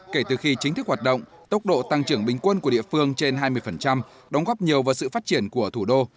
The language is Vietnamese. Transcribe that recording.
kể từ khi chính thức hoạt động tốc độ tăng trưởng bình quân của địa phương trên hai mươi đóng góp nhiều vào sự phát triển của thủ đô